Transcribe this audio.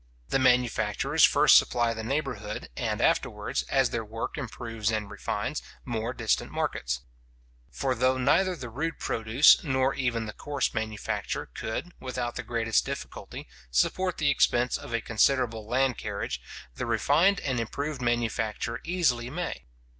The manufacturers first supply the neighbourhood, and afterwards, as their work improves and refines, more distant markets. For though neither the rude produce, nor even the coarse manufacture, could, without the greatest difficulty, support the expense of a considerable land carriage, the refined and improved manufacture easily may.